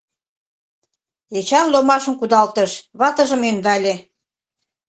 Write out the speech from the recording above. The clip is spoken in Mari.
— Эчан ломашым кудалтыш, ватыжым ӧндале.